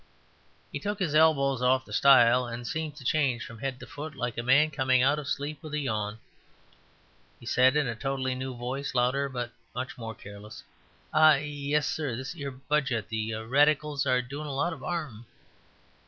He took his elbows off the stile and seemed to change from head to foot like a man coming out of sleep with a yawn. He said in a totally new voice, louder but much more careless, "Ah yes, sir,... this 'ere Budget... the Radicals are doing a lot of 'arm."